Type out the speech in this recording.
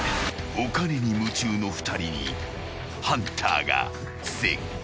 ［お金に夢中の２人にハンターが接近］